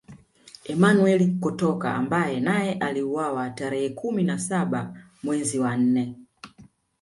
Emmanuel Kotoka ambaye naye aliuawa tarehe kumi na saba mwezi wa nne